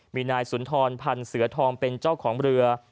มีนายสุนทรพันธ์เสือทองเป็นเจ้าของเรือ